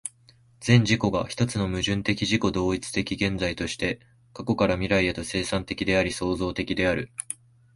全自己が一つの矛盾的自己同一的現在として、過去から未来へと、生産的であり創造的である。